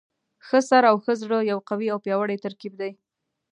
ښه سر او ښه زړه یو قوي او پیاوړی ترکیب دی.